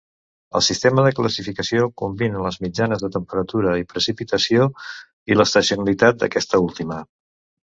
El sistema de classificació combina les mitjanes de temperatura i precipitació i l'estacionalitat d'aquesta última.